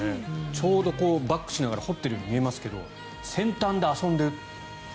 ちょうどバックしながら掘っているように見えますけど先端で遊んでいる。